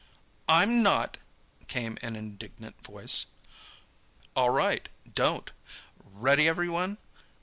"I'm not!" came an indignant voice. "All right—don't! Ready every one?